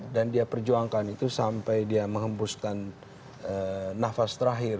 dan dia perjuangkan itu sampai dia menghembuskan nafas terakhir